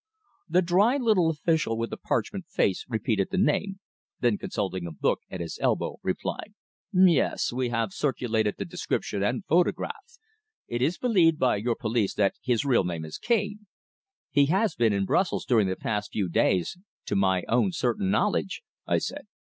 The dry little official with the parchment face repeated the name, then consulting a book at his elbow, replied: "Yes. We have circulated the description and photograph. It is believed by your police that his real name is Cane." "He has been in Brussels during the past few days to my own certain knowledge," I said.